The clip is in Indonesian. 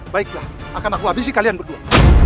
baiklah akan aku habisi kalian berdua